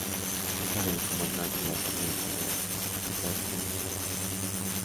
Hija del Comandante de Regimiento de Ekaterimburgo.